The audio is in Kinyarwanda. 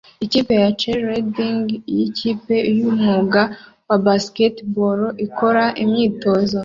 Ikipe ya cheerleading yikipe yumwuga wa basketball ikora imyitozo